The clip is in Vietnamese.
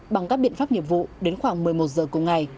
bằng các biện pháp nghiệp vụ đến khoảng một mươi một giờ cùng ngày